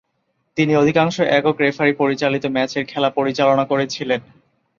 তিনি অধিকাংশ একক রেফারি পরিচালিত ম্যাচের খেলা পরিচালনা করেছিলেন।